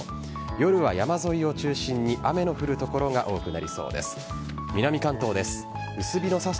夜は山沿いを中心に雨の降る所が多くなりそうです。